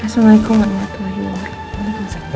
assalamualaikum warahmatullahi wabarakatuh